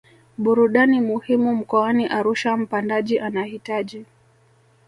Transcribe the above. burudani muhimu mkoani Arusha Mpandaji anahitaji